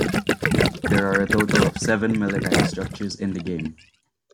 There are a total of seven military structures in the game.